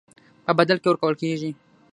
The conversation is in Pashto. په بدل کې ورکول کېږي.